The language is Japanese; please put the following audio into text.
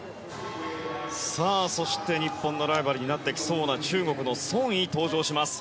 そして、日本のライバルになってきそうな中国のソン・イが登場します。